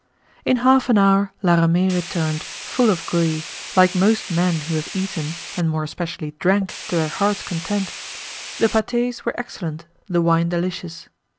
In half an hour La Ramee returned, full of glee, like most men who have eaten, and more especially drank to their heart's content. The pates were excellent, the wine delicious.